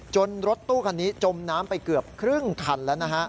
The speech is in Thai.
รถตู้คันนี้จมน้ำไปเกือบครึ่งคันแล้วนะฮะ